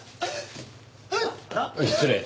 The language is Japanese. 失礼。